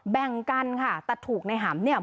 แบ่งกันค่ะแต่ถูกในหำเนี่ย